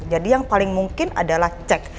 yang paling mungkin adalah cek